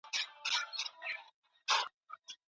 موږ یو بل ته درناوی کوو.